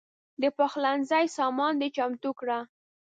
د پخلنځي سامان دې چمتو کړه.